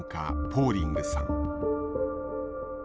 ポーリングさん。